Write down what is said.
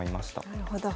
なるほど。